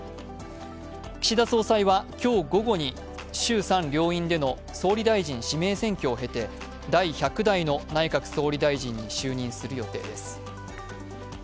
岸田総裁は今日午後に衆参両院での総理大臣指名選挙を経て第１００代の内閣総理大臣に就任する予定です。